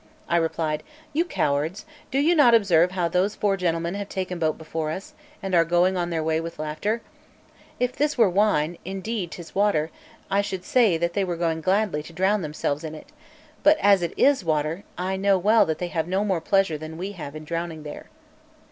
I replied: "You cowards, do you not observe how those four gentlemen have taken boat before us, and are going on their way with laughter? If this were wine, as indeed 'tis water, I should say that they were going gladly to drown themselves in it; but as it is but water, I know well that they have no more pleasure than we have in drowning there."